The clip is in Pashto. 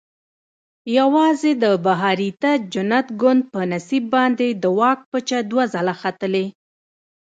یوازې د بهاریته جنت ګوند په نصیب باندې د واک پچه دوه ځله ختلې.